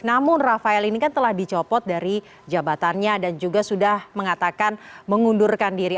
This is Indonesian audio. namun rafael ini kan telah dicopot dari jabatannya dan juga sudah mengatakan mengundurkan diri